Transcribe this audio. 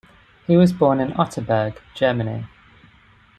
He was born in Otterberg, Germany.